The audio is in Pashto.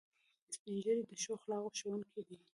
سپین ږیری د ښو اخلاقو ښوونکي دي